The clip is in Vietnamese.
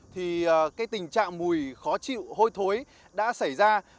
thì tình trạng mùi khó chịu hôi thối đã xảy ra